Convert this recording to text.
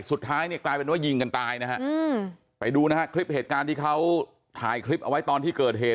สุดท้ายเนี่ยกลายเป็นว่ายิงกันตายนะฮะไปดูนะฮะคลิปเหตุการณ์ที่เขาถ่ายคลิปเอาไว้ตอนที่เกิดเหตุ